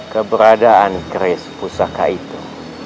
keberadaan chris pusaka itu